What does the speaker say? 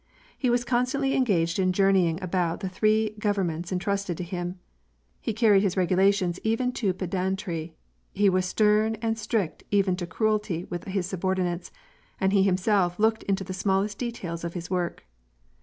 He was constantly engaged in journeying about the three governments entrusted to him; he carried his regulations even to pedantry ; he was stern and strict even to cruelty with his subordinates, and he himself looked into the smallest details of his work.